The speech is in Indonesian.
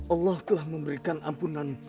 allah telah memberikan ampunan